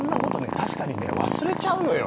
確かにね忘れちゃうのよ。